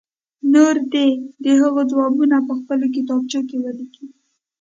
نور دې د هغو ځوابونه په خپلو کتابچو کې ولیکي.